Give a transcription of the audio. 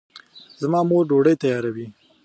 زما مور ډوډۍ تیاروي